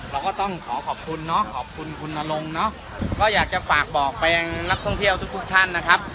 เราก็ต้องขอขอบคุณเนาะขอบคุณคุณนรงค์เนอะก็อยากจะฝากบอกไปยังนักท่องเที่ยวทุกทุกท่านนะครับ